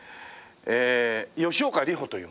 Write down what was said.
えー吉岡里帆という者。